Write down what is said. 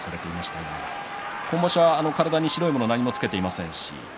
今場所は体に白いものを何もつけていません。